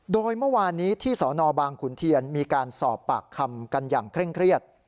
โดยเมื่อวานนี้ที่สนบางขุนเทียนมีการสอบปากคำกันอย่างเคร่งเครียด